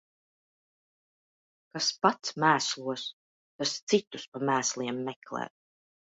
Kas pats mēslos, tas citus pa mēsliem meklē.